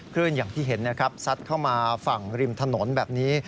อย่างที่เห็นนะครับซัดเข้ามาฝั่งริมถนนแบบนี้